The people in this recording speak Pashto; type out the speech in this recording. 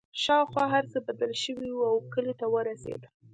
شاوخوا هرڅه بدل شوي وو او کلي ته ورسېدل